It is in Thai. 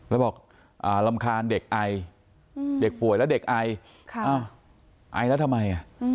นายบอกรำคาญเด็กไอเด็กป่วยแล้วเด็กไอ